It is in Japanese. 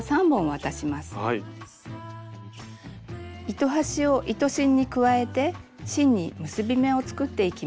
糸端を糸芯に加えて芯に結び目を作っていきます。